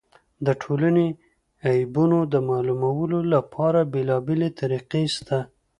د ټولني د عیبونو د معلومولو له پاره بېلابېلې طریقي سته.